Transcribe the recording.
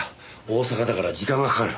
大阪だから時間がかかる。